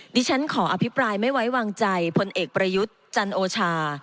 ดิฉันขออภิปรายไม่ไว้วางใจพลเอกประยุทธ์จันโอชา